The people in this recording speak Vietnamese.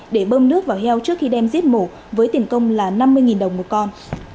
để bơm nước vào heo trước khi đem giết mổ với tiền công là năm mươi đồng một con